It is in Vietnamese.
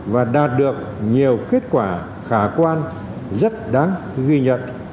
và đạt được nhiều kết quả khả quan